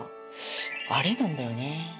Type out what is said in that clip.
アレなんだよね。